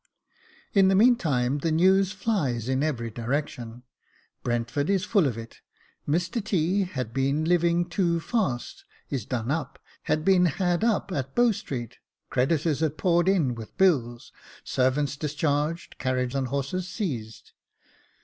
In the meantime the news flies in every direction. Brentford is full of it. Mr T. had been living too fast — is done up — had been had up at Bow Street — creditors had poured in with bills — servants discharged — carriage and horses seized.